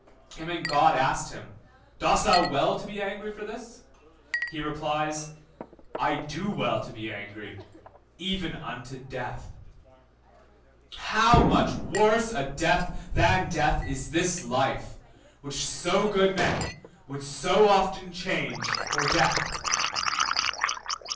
1717 Jonah 4:3. And when God asked him, Dost thou well to be angry for this? he replies, I do well to be angry, even unto death. How much worse a death than death is this life, which so good men would so often change for death!